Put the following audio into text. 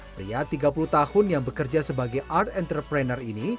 pria tiga puluh tahun yang bekerja sebagai art entrepreneur ini